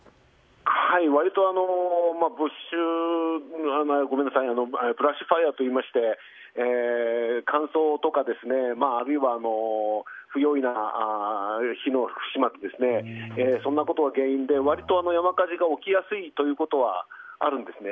割とブラッシュファイヤといいまして乾燥とか、あるいは不用意な火の不始末そんなことが原因で割と山火事が起きやすいことはあるんですね。